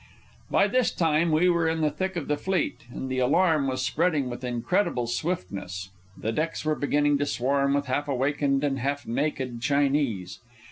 By this time we were in the thick of the fleet, and the alarm was spreading with incredible swiftness. The decks were beginning to swarm with half awakened and half naked Chinese.